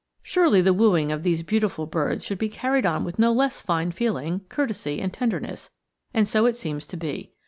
Surely the wooing of these beautiful birds should be carried on with no less fine feeling, courtesy, and tenderness; and so it seems to be.